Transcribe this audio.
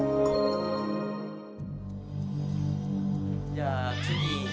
じゃあ次。